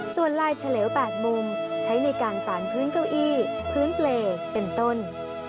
ส่วนลายเฉลว๘มุมใช้ในการสารพื้นเก้าอี้พื้นเปรย์เป็นต้น